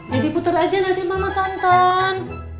jadi puter aja nanti mama tonton